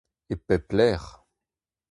E pep lec'h.